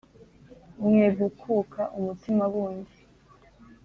Mwegukuka umutima bundi,